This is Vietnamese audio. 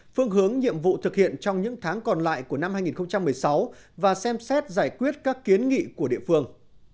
phương hướng nhiệm vụ thực hiện trong những tháng còn lại của năm hai nghìn một mươi sáu và xem xét giải quyết các kiến nghị của địa phương